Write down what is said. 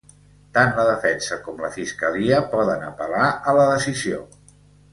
Tant la defensa com la fiscalia poden apel·lar a la decisió.